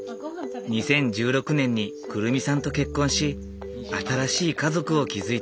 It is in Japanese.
２０１６年に来未さんと結婚し新しい家族を築いた。